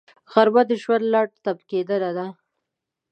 غرمه د ژوند لنډ تم کېدنه ده